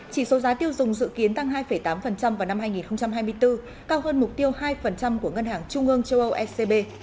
chỉ số giá tiêu dùng dự kiến tăng hai tám vào năm hai nghìn hai mươi bốn cao hơn mục tiêu hai của ngân hàng trung ương châu âu ecb